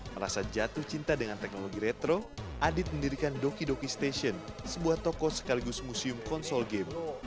merasa jatuh cinta dengan teknologi retro adit mendirikan doki doki station sebuah toko sekaligus museum konsol game